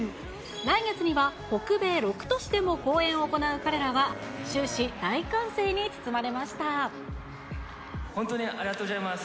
来月には北米６都市でも公演を行う彼らは、終始、大歓声に包まれ本当にありがとうございます。